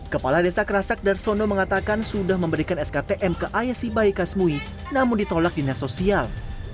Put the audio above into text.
kepala desa kerasak darsono mengatakan sudah memberikan sktm ke ayah sibahi kasmui namun ditolak dinasosial